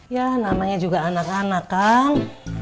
ya namanya juga anak anak kan